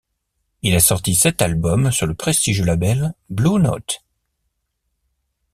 Il a sorti sept albums sur le prestigieux label Blue Note.